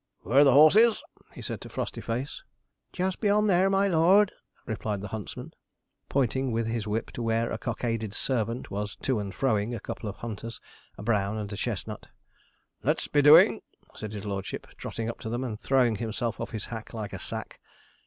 'Where are the horses?' he said to Frostyface. [Illustration: JACK FROSTY AND CHARLEY SLAPP] 'Just beyond there, my lord,' replied the huntsman, pointing with his whip to where a cockaded servant was 'to and froing' a couple of hunters a brown and a chestnut. 'Let's be doing,' said his lordship, trotting up to them and throwing himself off his hack like a sack.